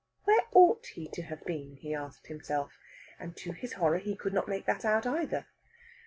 Where ought he to have been, he asked himself? And, to his horror, he could not make that out either.